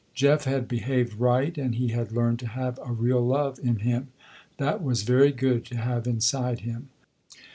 Jeff had behaved right and he had learned to have a real love in him. That was very good to have inside him.